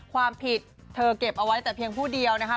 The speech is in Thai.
ความผิดเธอเก็บเอาไว้แต่เพียงผู้เดียวนะคะ